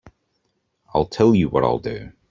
I'll tell you what I'll do.